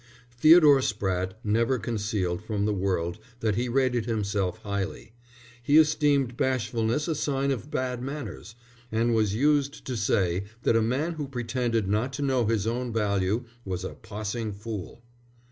Theodore Spratte never concealed from the world that he rated himself highly. He esteemed bashfulness a sign of bad manners, and was used to say that a man who pretended not to know his own value was a possing fool.